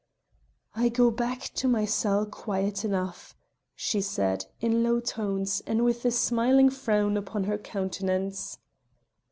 "I go back to my cell quiet enough," she said, in low tones, and with a smiling frown upon her countenance.